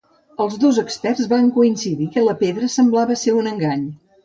Els dos experts van coincidir que la pedra semblava ser un engany.